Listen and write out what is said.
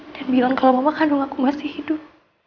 dan bilang kalau mama kandung aku masih hidup